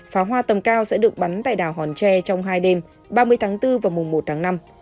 pháo hoa tầm cao sẽ được bắn tại đảo hòn tre trong hai đêm ba mươi tháng bốn và mùng một tháng năm